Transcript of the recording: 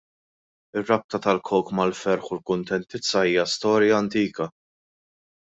Ir-rabta tal-Coke mal-ferħ u l-kuntentizza hija storja antika.